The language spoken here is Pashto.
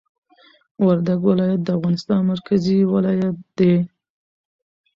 وردګ ولایت د افغانستان مرکزي ولایت دي